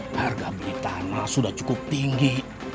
harga beli tanah sudah cukup tinggi